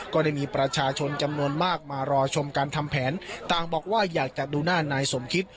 ก็ได้มีประชาชนจำนวนมากมารอชมการทำแผนต่างบอกว่าอยากจะดูหน้านายสมคิต